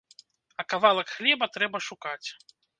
А кавалак хлеба трэба шукаць.